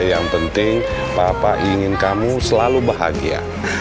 yang penting papa ingin kamu selalu bahagia